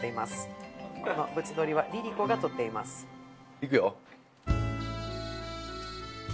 いくよ？